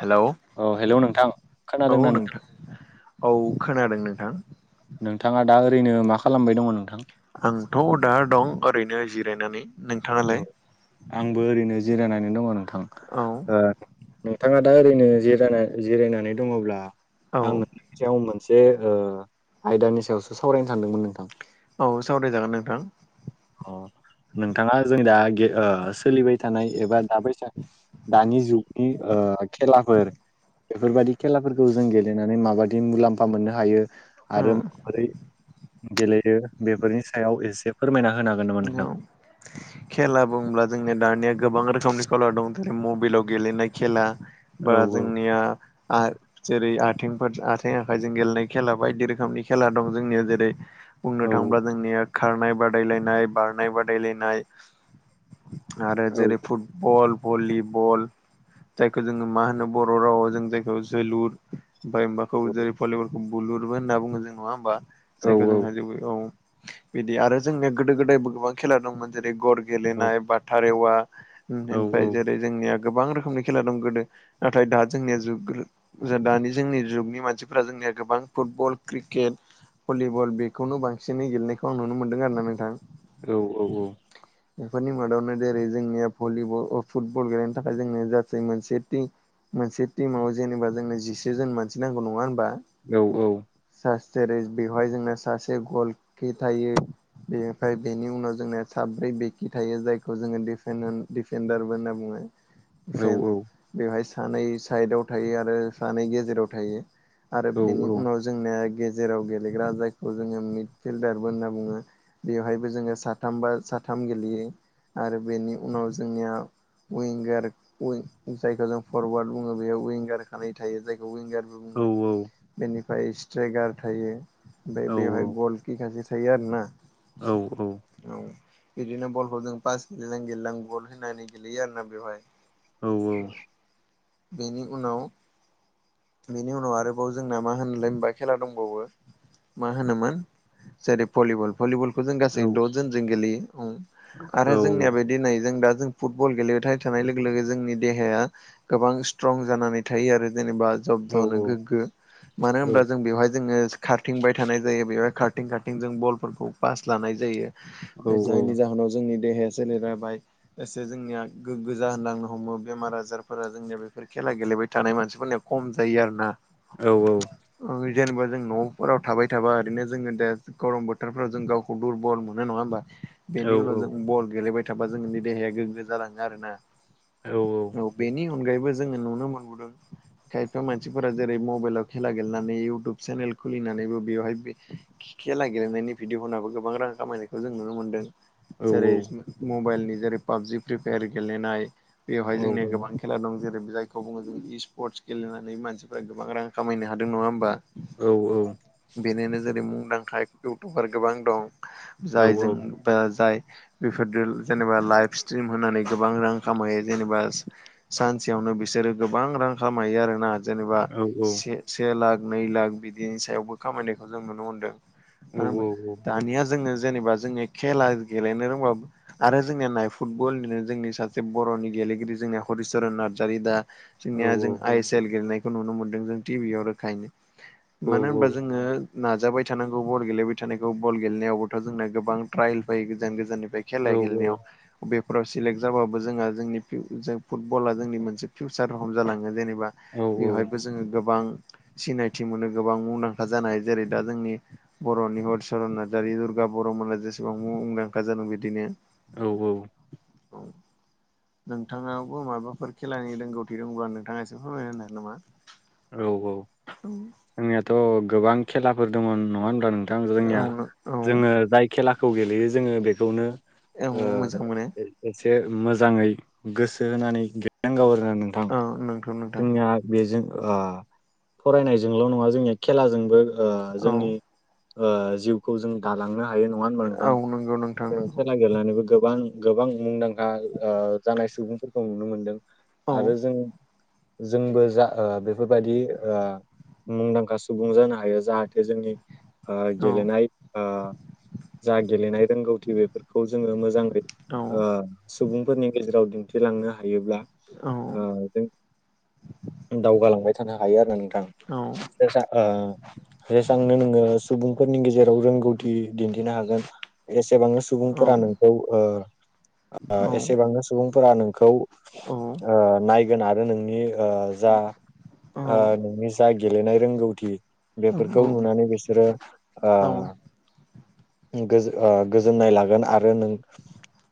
Hello औ hello नोंथां खोनादोंना नोंथां औ खोनादों नोंथां नोंथाङा दा ओरैनो मा खालामबाय दं नोंथां आंथ' दार दं ओरैनो जिरायनानै औ नोंथाङालाय आंबो ओरैनो जिरायनानै दङ नोंथां औ ओ नोंथाङा दा ओरैनो जिराय जिरायनानै दङब्ला औ आङो याव मोनसे ओ आयदानि सायावसो सावरायनो सानदोंमोन नोंथां औ सावरायजागोन नोंथां अ नोंथाङा जों दा ओ सोलिबाय थानाय एबा दाबायसा दानि जुगनि ओ खेलाफोर बेफोरबादि खेलाफोरखौ जों गेलेनानै माबादि मुलाम्फा मोननो हायो उम आरो माबोरै गेलेयो बेफोरनि सायाव एसे फोरमायना होनो हागोन नामा औ। नोंथां? [inaudible] खेला बुंब्ला जोंनिया दानिया गोबां रोखोमनि खेला दं जेरै मबाइलाव गेलेनाय खेला औ बा जोंनिया आ जेरै आथिंफोर आथिं आखाइजों गेलेनाय खेला बायदि रोखोमनि खेला दं जोंनियाव जेरै बुंनो औ थाङोब्ला जोंनिया खारनाय बादायलायनाय बारनाय बादायलायनाय आरो औ जेरै फुटबल भलिबल जायखौ जोङो मा होनो बर' रावआव जों जायखौ जोलुर ओमफ्राय माबाखौ जेरै भलिबलखौ बुलुरबो होनना बुङो जों नङा होमबा औ जायखौ जोंहा जेबो औ बिदि आरो जोंनिया गोदो गोदायबो गोबां खेला दंमोन। जेरै गर औ गेलेनाय बाथा रेवा औ औ ओमफ्राय औ जेरै जोंनिया गोबां रोखोमनि खेला दं गोदो नाथाय दा जोंनिया जुग दानि जोंनि जुगनि मानसिफोरा जोंनिया गोबां फुटबल क्रिकेट भलिबल बेखौनो बांसिनै गेलेनायखौ आं नुनो मोन्दों आरोना नोंथां। औ औ औ। बेफोरनि मादावनो जेरै जोंनिया भलिबल अ फुटबल गेलेनो थाखाय जोंनि जासै मोनसे ति मोनसे टिमाव जेनेबा जोंनो जिसे जोन मानसि नांगौ नङा होनबा? औ औ। सा जेरै बेवहाय जोंना सासे गल कि थायो बेनिफ्राय बेनि उनाव जोंना साब्रै बेकि थायो जायखौ जोङो डिफेन्ड डिफेन्डारबो होनना बुङो। फेन बेवहाय सानै साइदआव थायो आरो सानै गेजेराव थायो। आरो बेनि उनाव जोंनिया गेजेराव गेलेग्रा जायखौ जोङो मिड फिल्डारबो होनना बुङो बेवहाय बो जोङो साथाम बा साथाम गेलेयो आरो बेनि उनाव जोंनिया उविंगार उविं जायखौ जों फरवार्ड बुङो बेयाव उविंगार खानै थायो जायखौ उविंगार बुङो बेनिफ्राय स्ट्राइकार थायो आमफ्राय बेवहाय गल खि सासे थायो आरोना। औ औ। औ बिदिनो बलखौ जों पास गेलेलां गेलेलां बल होनानै गेलेयो आरोना बेवहाय। बेनि उनाव बेनि उनाव आरोबाव जोंना मा होनलाय होनबा खेला दंबावो मा होनोमोन जेरै भलिबल भलिबलखौ जों डजोनजों गेलेयो आरो जोंनिया दिनै जों दा जों फुटबल गेलेबाय थानाय लोगो लोगो जोंनि देहाया गोबां स्ट्रं जानानै थायो आरो जेनेबा जब्द'नो गोग्गो मानो होनब्ला जों बेवहाय जोङो खारथिंबाय थानाय जायो बेवहाय खारथिं खारथिं जों बलफोरखौ पास लानाय जायो। जायनि जाहोनाव जोंनि देहाया सोलेरा बाय एसे जोंनिया गोग्गो जाहोलांनो हमो बेमार आजारफोरा जोंनिया बेफोर खेला गेलेबाय थानाय मानसिफोरनिया खम जायो आरोना। औ औ। जेनेबा जों न'फोराव थाबाय थाबा ओरैनो जोङो दा गरम बोथोरफ्राव जों गावखौ दुरबल मोनो नङा होमबा बेनि उनाव जों बल गेलेबाय थाबा जोंनि देहाया गोग्गो जालाङो आरोना। औ। औ बेनि अनगायैबो जोङो नुनो मोनबोदों खायफा मानसिफोरा जेरै मबाइलाव खेला गेलेनानै इउटुब चेनेल खुलिनानैबो बेवहाय खेला गेलेनायनि भिडिअ' होनाबो गोबां रां खामायनायखौ जों नुनो मोन्दों जेरै मबाइलनि जेरै पाबजि फ्रि फायार गेलेनाय बेवहाय जोंनिया गोबां खेला दं जेरै जायखौ बुङो जों इ स्पोर्टस गेलेनानै मानसिफोरा गोबां रां खामायनो हादों नङा होमबा? औ औ। बेनोनो जेरै मुंदांखा इउटिउबार गोबां दं जाय जों ओ जाय बेफोरदो जेनेबा लाइभ स्ट्रिम होनानै गोबां रां खामायो जेनेबा सानसेयावनो बिसोरो गोबां रां खालाम हायो आरोना। जेनेबा से-से लाख नै लाख बिदिनि सायावबो खामायनायखौ जों नुनो मोनदों। मानो होनबा दानिया जोङो जेनेबा जोङो खेला गेलेनो रोंबाबो आरो जोंनिया नाय फुटबलनिनो जोंनि सासे बर'नि गेलेगिरि जोंनिया हरिचरन नार्जारि दा जोंनिया जों आइ एस एल गेलेनायखौ नुनो मोन्दों जों टि भि आव रोखायैनो मानो होनबा जोङो नाजाबाय थानांगौ बल गेलेबाय थानायखौ बल गेलेनायावबोथ' जोंना गोबां ट्राइल फायो गोजान गोजान‌ निफाय। खेलाया गेलेनायाव। बेेफोराव सिलेक्ट जाबाबो जोंहा जोंनि जों फुटबला जोंनि मोनसे फिउसार रखम जालाङो जेनेबा बेवहायबो जोङो गोबां सिनायथि मोनो गोबां मुंदांखा जानाय जेरै दा जोंनि बर'नि हरिचरन नार्जारि बर'मोना जेसेबां मुंदांखा जादों बिदिनो औ औ। औ नोंथाङाबो माबाफोर खेलानि रोंगौथि दंब्ला नोंथाङा एसे फोरमायनो होनो हागोन नामा? औ औ जोंनियाथ' गोबां खेलाफोर दंङ नङा होनबा नों थां जोंनिया औ औ जोंङो जाय खेलाखौ गेलेयो जोङो बेखौनो ओ औ मोजां मोनो एसे मोजाङै गोसो होनानै गेलेनांगौ आरोना नों औ नोंथां नोंथां जोंनिया बेजों ओ फरायनायजोंल' नङा जोंनिया खेलाजोंबो ओ औ जोंनि ओ जिउखौ जों दालांनो हायो नङा होनबा नोंथां औ नंगौ नोंथां जों नंगौ खेला गेलेनानैबो गोबां गोबां मुंदांखा ओ जानाय सुबुंफोरखौ नुनो मोनदों। औ आरो जों जोंबो जा ओ बेफोरबायादि ओ मुंदांखा सुबुं जानो हायो जाहाथे जोंनि ओ औ गेलेनाय ओ जा गेलेनाय रोंगौथि बेफोरखौ जोङो मोजांङै औ ओ सुबुंफोरनि गेजेराव दिन्थिलांनो हायोब्ला औ ओ जों दावगालांबाय थानो हायो आरो नोंथां औ [unintelligible] जेसांनो नोंङो सुबुंफोरनि गेजेराव रोंगौथि दिन्थिनो हागोन। एसेबांनो औ सुबुंफोरा नोंखौ ओ ओ औ एसेबांनो सुबुंफोरा नोंखौ औ ओ नायगोन आरो नोंनि ओ जा ओ नोंनि जा गेलेनाय रोंगौथि बेफोरखौ नुनानै बिसोरो ओ औ गोज ओ गोजोननाय लागोन आरो नों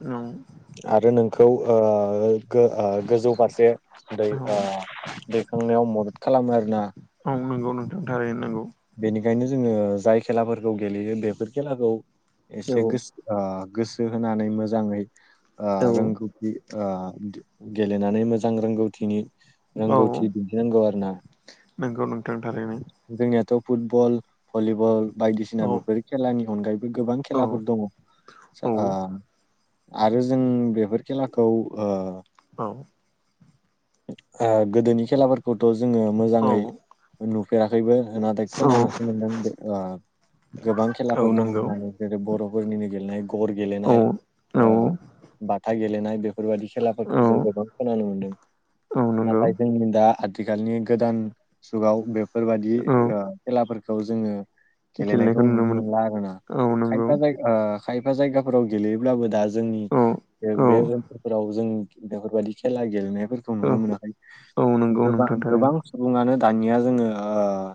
औ आरो नोंखौ ओ गो ओ गोजौ फारसे दै ओ दैखांनायाव मदद खालामो आरो ना। औ नोंगौ नोंथां थारैनो नोंगौ। बेनिखायनो जोंङो जाय खेलाफोरखौ गेलेयो बेफोर खेलाखौ एसे गोस ओ गोसो होनानै मोजाङै ओ रोंगौ ओ गेलेनानै मोजां रोंगौथिनि रोंगौथि दिन्थिनांगौ आरो ना। नोंगौ नोंथां थारैनो। जोंनियाथ' फुटबल भलिबल औ बायदिसिना बेफोर खेलानि अनगायै गोबां औ खेलाफोर दंङ औ ओ आरो जों बेफोर खेलाखौ ओ औ ओ गोदोनि खेलाफोरखौथ' जोङो औ मोजाङै नु दैबो नाथाय औ खोनानोसो मोनदों ओ गोबां औ खेलाफोर दङ नंगौ होननानै जेरै बर'फोरनिनो गेलेनाय गर औ गेलेनाय ओ औ बाथा गेलेनाय बे बेफोरबादि खेलाफोरखौ औ जों गोबां खोनानो मोनदों औ नंगौ नाथाय जोंनि दा आथिखालनि गोदान जुगाव बेफोरबाददि औ खेलाफोरखौ जोङो गेलेनायखौ नुनो मोनला आरोना औ नंगौ खायफा जायगा ओ खायफा जायगाफोराव गेलेयोब्लाबो दा जोंनि औ औ बे ओनसोलफोराव जों बेफोरबायादि खेला गेलेनायफोरखौ नुनो औ मोनाखै औ नंगौ गोबां नोंथां गोबां थारैनो बुङानो दानिया जोङो ओ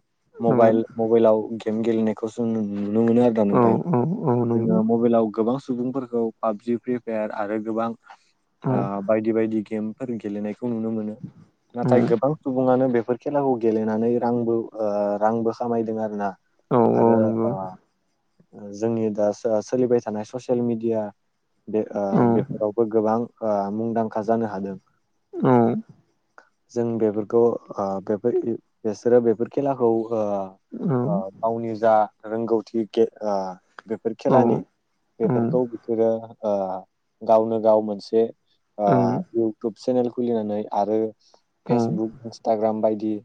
औ मबाइल मबाइलाव गेम गेलेनायखौसो नुनो मोनो आरोना औ नोंथां औ औ नंगौ जोङो मबाइलाव गोबां सुबुंफोर खौ पापजि फ्रिपायार आरो गोबां औ आ बायदि बायदि बायदि गेमफोर गेलेनायखौ नुनो मोनो औ नाथाय गोबां सुबुङानो बेफोर खेलाखौ गेलेनानै रांबो ओ रांबो खामायदों आरोना औ औ आरो नंगौ आ जोंनि दा सोलिबाय थानाय ससियेल मिडिया बे ओ औ बेफोरावबो ओ गोबां मुंदांखा जानो हादों औ जों बेफोरखौ ओ बेफोर बेसोरो बेफोर खेलाखौ ओ औ गावनि जा रोंगौथि गे ओ बेफोर औ खेलानि बेफोरखौ बिसोरो ओ गावनो गाव मोनसे ओ इउटुब चेनेल खुलिनानै आरो फेसबुक इन्सटाग्राम बायदि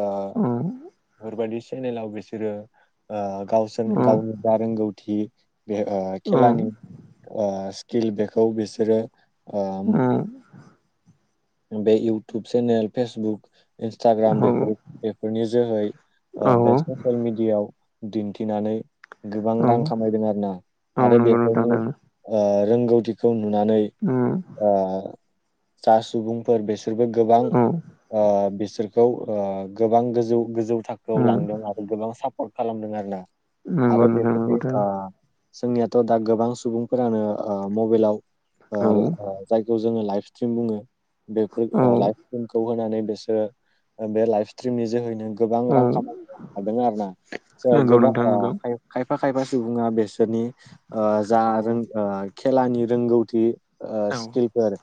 ओ बेफोरबायदि चेनेलाव बिसोरो ओ गावसोर गावनि जा रोंगौथि बे खेलानि ओ स्किल बेखौ बेसोरो ओम बे इउटुब चेनेल फेसबुक इन्सटाग्राम बेफोर बेफोरनि जोहै औ ओ बे ससियेल मिडियाव दिन्थिनानै गोबां औ रां खामायदों आरोना आरो नंगौ नोंथां बेफोरनि थारैनो ओ रोंगौथिखौ नुनानै अम आ जा सुबुंफोर बेसोरबो गोबां औ ओ बिसोरखौ ओ गोबां गोजौ गोजौ थाखोआव उम लांदों आरो गोबां सापर्ट खालामदों आरो ना नंगौ आरो नोंथां नंगौ बेफोरनि थारैनो ओ जोंनियाथ' दा गोबां सुबुंफोरानो ओ मबिलाव औ ओ जायखौ जोङो लाइभ स्ट्रिम बुङो बेफोर औ ओ लाइफ स्ट्रिमखौ होनानै बिसोरो बे लाइफ स्ट्रिम नि जोहैनो गोबां औ रां खामायनो हादों आरो ना ओ नंगौ गोबां नोंथां ओ नंगौ खायफा खायफा सुबुङा बेसोरनि ओ जा औ रों खेलानि रोंगौथि ओ औ स्किलफोर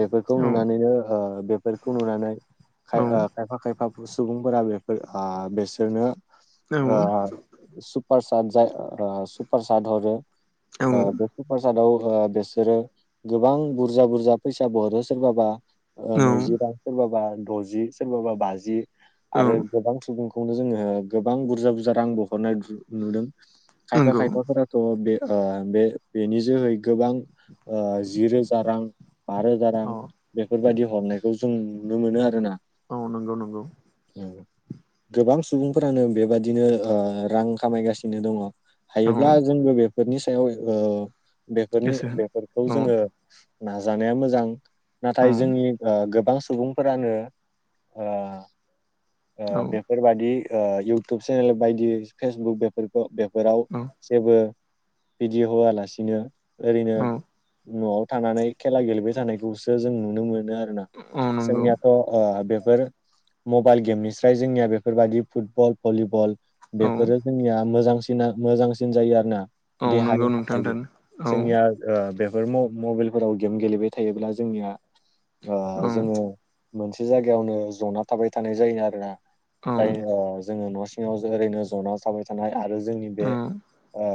बेफोरखौ बियो ओ बेफोरखौ नुनानै खाय खायफा खायफा सुबुंफोरा बेफोर आ बेसोरनो औ औ नंगौ ओ सुपार साट जा ओ सुपार साट हरो औ ओ सुपार सादाव ओ बेसोरो गोबां बुरजा बुरजा फैसा बोहरो सोरबाबा ओ नैजि रां सोरबाबा द'जि सोरबाबा बाजि आरो गोबां सुबुं खौनो जोङो गोबां बुरजा बुरजा रांबोहरनाय नुदों खायफा खायफाफोरा थ बे ओ बे बेनि जोहै गोबां जि रोजा रां बा रोजा रां बेफोरबायदि हरनायखौ जों नुनो मोनो आरोना औ नंगौ नंगौ। नोंङो [unintelligible] गोबां सुबुंफोरानो बेबदििनो रां खामायगासिनो दङ। औ हायोब्ला जोंबो बेफोरनि सायाव बेफोरनि गोसो बेफोरखौ होनो जोङो नाजानाया मोजां औ नाथाय जोंनि गोबां सुबुंफोरानो औ बे बेफोरबायाददि इउटुब चेनेल बायदि फेसबुक बेफोरखौ बेफोराव औ जेबो बिदि होआलासिनो ओरैनो औ न'आव थानानै खेला गेलेबाय थानायखौसो जों नुनो मोनो आरो ना। औ नंगौ जोंनियाथ' बेफोर मबाइल गेमनिस्राय जोंनिया बेफोरबायाददि फुटबल भलिबल औ बेफोरो जोंनिया मोजांसिना मोजांसिन जायो आरो ना औ देहानि थाखायबो दोन औ जोंनिया ओ बेफोर मबाइलफोराव गेम गेलेबाय थायोब्ला जोंनिया ओ औ जोङो मोनसे जायगायावनो जना थाबाय थानाय जायो आरोना औ जाय ओ जोङो न' सिङाव ओरैनो ज'ना थाबाय थानाय आरो जोंनि औ बे ओ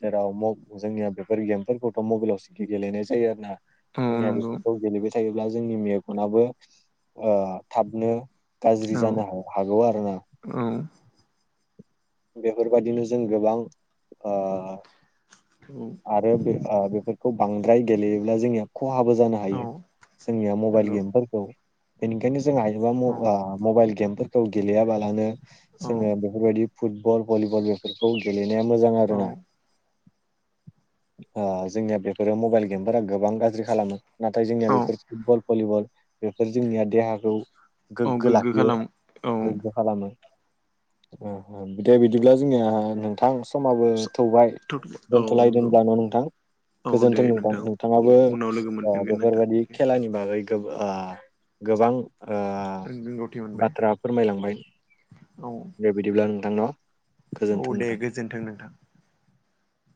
जेराव म- जोंनिया बेफोर गेमफोरखौथ' मबाइलाव सिखि गेलेनाय जायो आरो ना औ जोंनिया नंगौ बेफोरखौ गेलेबाय थायोब्ला जोंनि मेगनाबो ओ थाबनो गाज्रि औ जानो हागौ आरोना। औ बेफोरबायादिनो जों गोबां ओ औ आरो बे ओ बेफोरखौ बांद्राय गेलेयोब्ला जोंनि खहाबो जा हायो औ जोंनिया मबाइल नंगौ गेमफोरखौ बेनिखायनो जों हायोबा ओ औ मबाइल गेमफोरखौ खौ गेलेयाबालानो औ जोङो बेफोरबायदि फुटबल भलिबल बे गेलेनाया मोजां आरोना औ [inaudible] ओ जोंनिया बे रो मबाइल गेमफोरा गोबां गाज्रि खालामो नाथाय जोंनिया बेफोर फुटबल भलिबल बेफोर जोंनिया देहाखौ औ गोग्गो लाखियो खालाम औ गोग्गो खालामो बिदि बिदिब्ला जोंनिया नोंथां समाबो थौबाय औ दोनथ'लाय नंगौ दोनब्ला न' नोंथां औ दे गोजोन्थों नोंथां औ नोंथाङाबो उनाव लोगो मोनफिनगोन नोंथां बेफोरबायाददि दे खेलानि बागै गो- ओव गोबां रोंगौथि मोनबाय बाथ्रा फोरमायलांबाय औ [inaudible] दे बिदिब्ला नोंथां न'। औ गोजोन्थों दे नोंथां। गोजोनथों नोंथां।